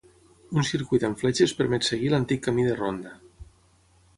Un circuit amb fletxes permet seguir l'antic camí de ronda.